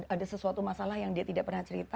ada sesuatu masalah yang dia tidak pernah cerita